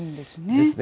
ですね。